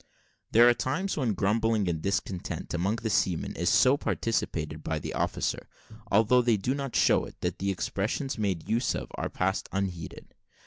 There are times when grumbling and discontent among the seamen is so participated by the officer, although they do not show it, that the expressions made use of are passed unheeded.